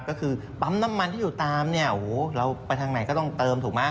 ก็คือปั๊มน้ำมันที่อยู่ตามเนี่ยโอ้โหเราไปทางไหนก็ต้องเติมถูกไหม